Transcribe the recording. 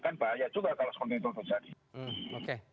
kan bahaya juga kalau seperti itu terjadi